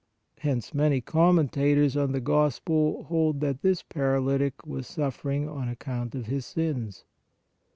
Hence many commentators on the Gospel hold that this THE PARALYTIC 83 paralytic was suffering on account of his sins.